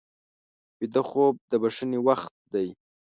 ویده خوب د بښنې وخت دی